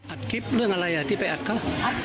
อัดคลิปเรื่องอะไรที่ไปอัดเขา